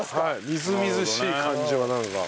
みずみずしい感じはなんか。